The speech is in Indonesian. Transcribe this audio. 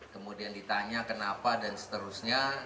kemudian ditanya kenapa dan seterusnya